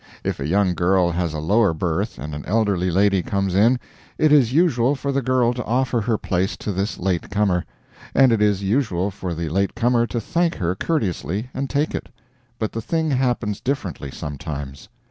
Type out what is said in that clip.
If a young girl has a lower berth and an elderly lady comes in, it is usual for the girl to offer her place to this late comer; and it is usual for the late comer to thank her courteously and take it. But the thing happens differently sometimes.